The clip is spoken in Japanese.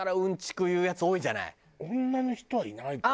女の人はいないか。